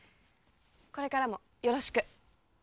これからもよろしく。